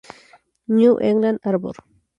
New England; Arbor.